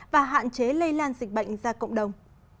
và hạn chế lây lan dịch bệnh ra cộng đồng